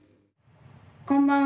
こんばんは。